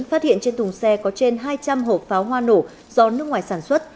phát hiện trên thùng xe có trên hai trăm linh hộp pháo hoa nổ do nước ngoài sản xuất